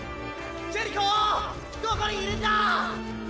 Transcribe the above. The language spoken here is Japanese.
ジェリコどこにいるんだ